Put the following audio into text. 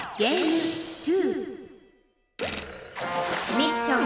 ミッション。